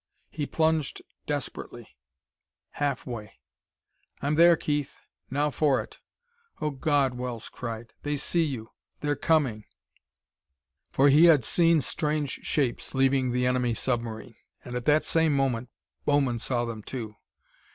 He plunged desperately. Half way! "I'm there, Keith! Now for it!" "Oh, God!" Wells cried. "They see you; they're coming!" For he had seen strange shapes leaving the enemy submarine. And at that same moment, Bowman saw them, too.